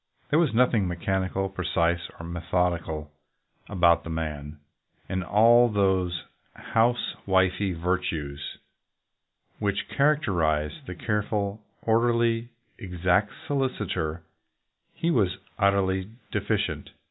There was nothing mechanical, precise, or methodical about the man, and in all those house wifely virtues which characterize the careful, orderly, exact solicitor he was utterly deficient.